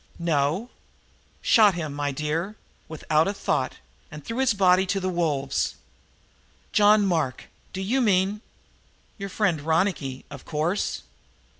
"No." "Shot him, my dear, without a thought and threw his body to the wolves!" "John Mark! Do you mean " "Your friend Ronicky, of course."